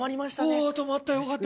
止まったよかった。